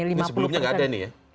ini sebelumnya gak ada nih ya